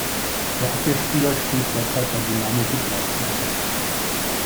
Der Abwehrspieler steht derzeit bei Dynamo Budweis unter Vertrag.